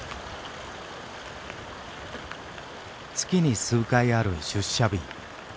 月に数回ある出社日。